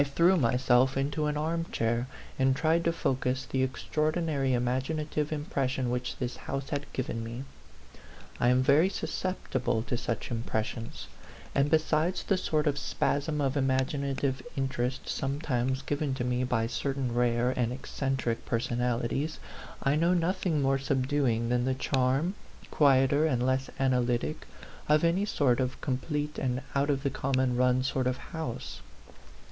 19 threw myself into an arm chair and tried to focus the extraordinary imaginative impres sion which this house had given me. I am very susceptible to such impressions; and besides the sort of spasm of imaginative interest sometimes given to me by certain rare and eccentric personalities, I know noth ing more subduing than the charm, quieter and less analytic, of any sort of complete and out of the common run sort of house.